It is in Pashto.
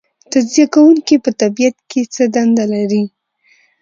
تجزیه کوونکي په طبیعت کې څه دنده لري